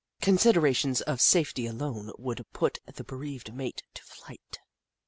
Considerations of safety alone would put the bereaved mate to flight.